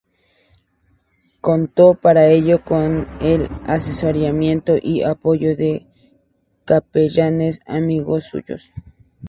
Contó para ello con el asesoramiento y apoyo de capellanes amigos suyos.